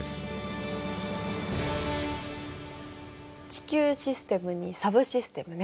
地球システムにサブシステムね。